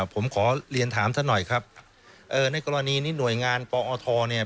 ผมขอเรียนถามท่านหน่อยครับเอ่อในกรณีนี้หน่วยงานปอทเนี่ย